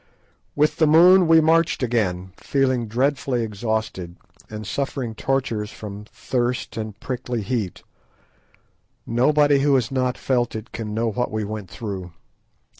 With the moon we marched again, feeling dreadfully exhausted, and suffering tortures from thirst and prickly heat. Nobody who has not felt it can know what we went through.